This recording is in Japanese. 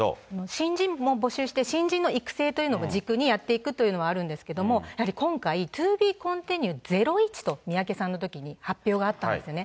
新人も募集して、新人の育成も軸にやっていくというのもあるんですけれども、やはり今回、ＴＯＢＥコンティニューゼロイチと三宅さんのときに発表があったんですね。